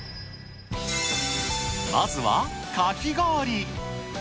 まずは、かき氷。